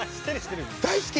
大好き！